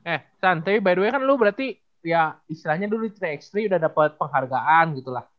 eh santai by the way kan lu berarti ya istilahnya dulu tiga x tiga udah dapat penghargaan gitu lah